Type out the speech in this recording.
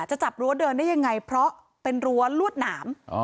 จะจับรั้วเดินได้ยังไงเพราะเป็นรั้วลวดหนาม